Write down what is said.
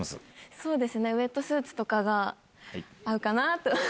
そうですね、ウェットスーツとかが合うかなと。